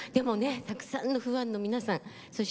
たくさんのファンの皆さん